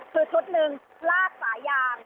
คือชุดหนึ่งลากสายาง